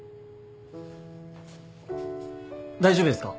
大丈夫ですか？